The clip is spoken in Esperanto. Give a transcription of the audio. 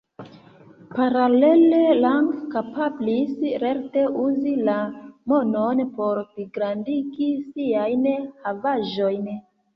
Paralele Lang kapablis lerte uzi la monon por pligrandigi siajn havaĵojn.